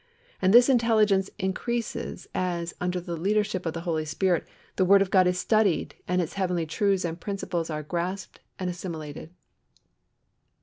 And this intelligence increases, as, under the leadership of the Holy Spirit, the word of God is studied, and its heavenly truths and principles are grasped and assimilated.